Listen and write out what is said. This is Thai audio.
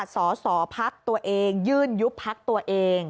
สอสอพักตัวเองยื่นยุบพักตัวเอง